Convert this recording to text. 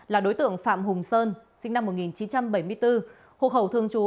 là đối tượng phạm hùng sơn sinh năm một nghìn chín trăm bảy mươi bốn hộ khẩu thường trú